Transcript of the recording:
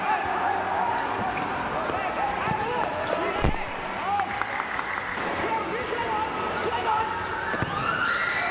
ในสกลางที่เกี่ยวเท่านั้น